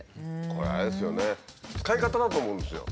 これあれですよね使い方だと思うんですよ。